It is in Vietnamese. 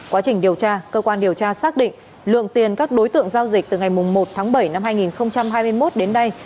quá trình điều tra cơ quan điều tra xác định lượng tiền các đối tượng giao dịch từ ngày một tháng bảy năm hai nghìn hai mươi một đến nay